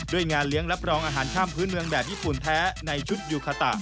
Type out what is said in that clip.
งานเลี้ยงรับรองอาหารข้ามพื้นเมืองแบบญี่ปุ่นแท้ในชุดยูคาตะ